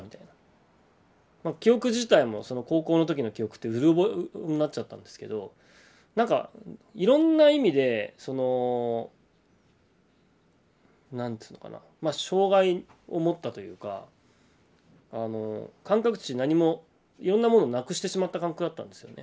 記憶自体もその高校の時の記憶ってうろ覚えになっちゃったんですけどなんかいろんな意味でその何ていうのかな障害を持ったというか感覚値何もいろんなものをなくしてしまった感覚だったんですよね。